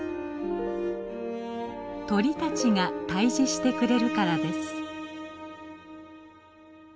鳥たちが退治してくれるからです。